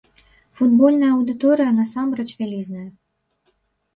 Футбольная аўдыторыя насамрэч вялізная.